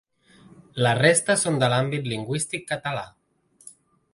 La resta són de l’àmbit lingüístic català.